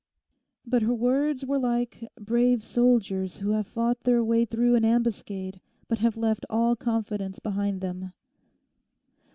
But her words were like brave soldiers who have fought their way through an ambuscade but have left all confidence behind them.